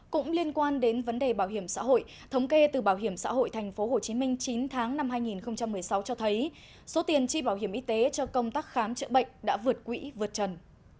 cũng liên quan đến vấn đề bảo hiểm xã hội thống kê từ bảo hiểm xã hội tp hcm chín tháng năm hai nghìn một mươi sáu cho thấy số tiền chi bảo hiểm y tế cho công tác khám chữa bệnh đã vượt quỹ vượt trần